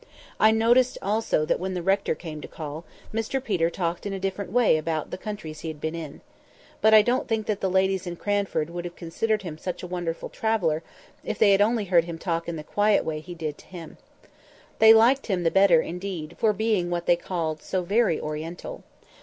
I noticed also that when the rector came to call, Mr Peter talked in a different way about the countries he had been in. But I don't think the ladies in Cranford would have considered him such a wonderful traveller if they had only heard him talk in the quiet way he did to him. They liked him the better, indeed, for being what they called "so very Oriental."